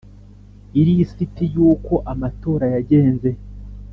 ilisiti yuko amatora yagenze